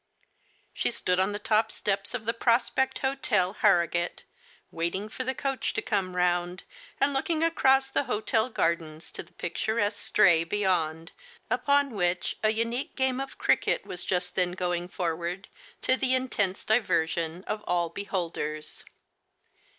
She stood on the top steps of the Prospect Hotel, Harrogate, waiting for the coach to come round, and looking across the hotel gardens to the picturesque Stray beyond, upon which a unique game of cricket was just then going forward, to the intense diversion of all beholders.